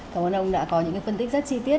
cảm ơn ông đã có những phân tích rất chi tiết